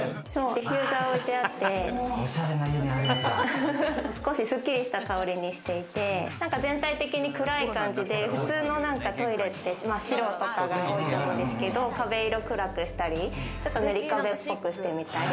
ディフューザーを置いてあって少しすっきりした香りにしていて全体的に暗い感じで、普通のトイレって、白とかが多いと思うんですけど、壁色を暗くしたり、ぬりかべっぽくしてみたり。